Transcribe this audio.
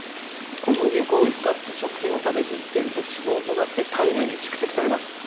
小麦粉を使った食品を食べ続けると脂肪となって体内に蓄積されます。